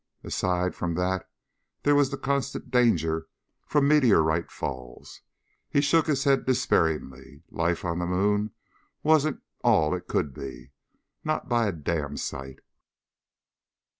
Aside from that there was the constant danger from meteorite falls. He shook his head despairingly. Life on the moon wasn't all it could be. Not by a damn sight.